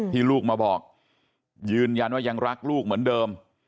ลูกมาบอกยืนยันว่ายังรักลูกเหมือนเดิม